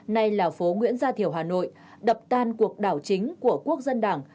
nay là phố nguyễn gia thiểu hà nội đập tan cuộc đảo chính của quốc dân đảng